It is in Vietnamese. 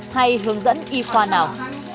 hay hướng dẫn y khoa nào